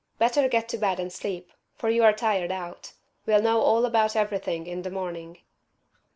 Better get to bed and sleep, for you're tired out. We'll know all about everything in the morning."